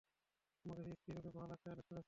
তোমাকে স্ত্রীরূপে বহাল রাখতে আদেশ করেছেন।